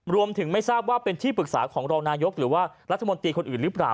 ไม่ทราบว่าเป็นที่ปรึกษาของรองนายกหรือว่ารัฐมนตรีคนอื่นหรือเปล่า